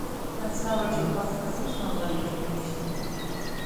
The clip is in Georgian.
მათ სავაჭრო ფაქტორიას მაღალი კედლები შემოავლეს.